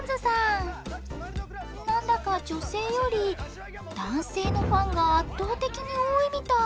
なんだか女性より男性のファンが圧倒的に多いみたい。